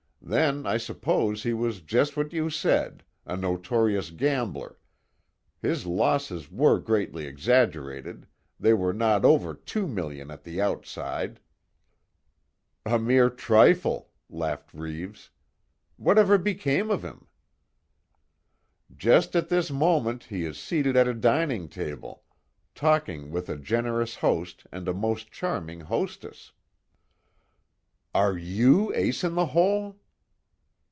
Then, I suppose, he was just what you said a notorious gambler his losses were grossly exaggerated, they were not over two millions at the outside." "A mere trifle," laughed Reeves, "What ever became of him." "Just at this moment he is seated at a dining table, talking with a generous host, and a most charming hostess " "Are you Ace In The Hole?"